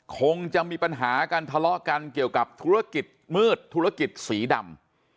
คงจะมีปัญหากันทะเลาะกันเกี่ยวกับธุรกิจมืดธุรกิจสีดำ